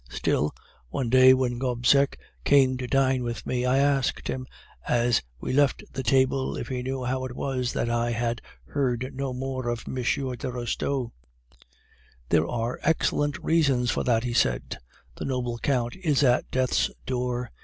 Still, one day when Gobseck came to dine with me, I asked him as we left the table if he knew how it was that I had heard no more of M. de Restaud. "'There are excellent reasons for that,' he said; 'the noble Count is at death's door.